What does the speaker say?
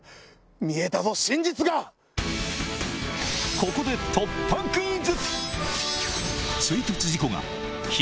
ここで突破クイズ！